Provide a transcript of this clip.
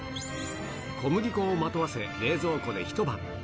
小麦粉をまとわせ、冷蔵庫で一晩。